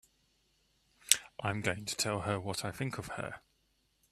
I'm going to tell her what I think of her!